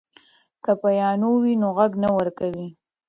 که پیانو وي نو غږ نه ورکېږي.